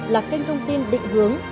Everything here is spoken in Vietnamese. là kênh thông tin định hướng